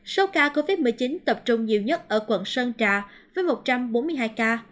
số ca covid một mươi chín tập trung nhiều nhất ở quận sơn trà với một trăm bốn mươi hai ca